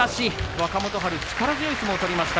若元春、力強い相撲を取りました。